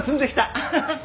アハハッ！